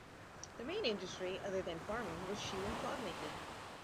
The main industry, other than farming, was shoe and clog making.